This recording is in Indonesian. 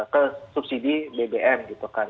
ke subsidi bbm gitu kan